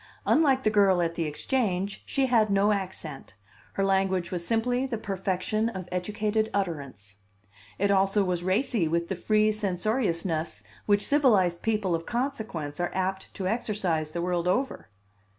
Unlike the girl at the Exchange, she had no accent; her language was simply the perfection of educated utterance; it also was racy with the free censoriousness which civilized people of consequence are apt to exercise the world over.